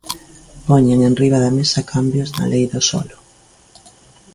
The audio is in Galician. Poñen enriba da mesa cambios na Lei do solo.